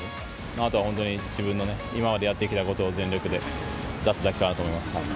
あとは本当に自分の今までやってきたことを全力で出すだけかなと思います。